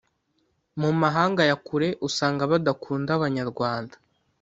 mu mahanga yakure usanga badakunda abanyarwanda